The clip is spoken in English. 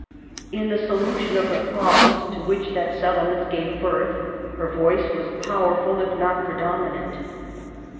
In the solution of the problems to which that settlement gave birth her voice was powerful if not predominant.